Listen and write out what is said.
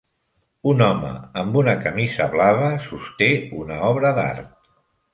Un home amb una camisa blava sosté una obra d'art.